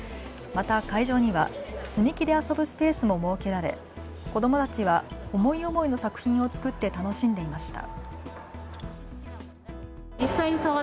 また会場には積み木で遊ぶスペースも設けられ子どもたちは思い思いの作品を作って楽しんでいました。